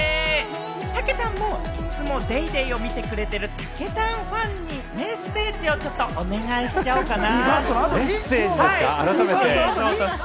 たけたんも、いつも『ＤａｙＤａｙ．』を見てくれている、たけたんファンにメッセージをお願いしちゃおうかな？